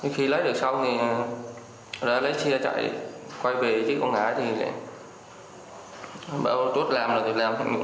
khi lấy được xong lấy xe chạy quay về chứ không ngãi thì bảo tuốt làm được làm hành vi đó